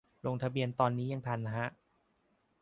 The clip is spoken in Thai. ลงทะเบียนตอนนี้ยังทันฮะ